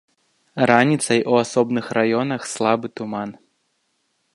Раніцай у асобных раёнах слабы туман.